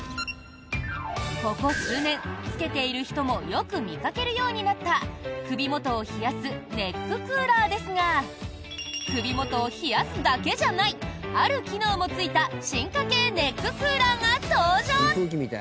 ここ数年、つけている人もよく見かけるようになった首元を冷やすネッククーラーですが首元を冷やすだけじゃないある機能もついた進化系ネッククーラーが登場。